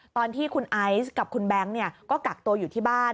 ตอนที่คุณไอซ์กับคุณแบงค์ก็กักตัวอยู่ที่บ้าน